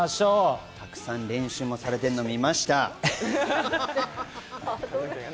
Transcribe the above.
たくさん練習されているのも見ました。